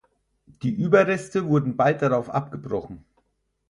Die Überreste wurden bald darauf abgebrochen.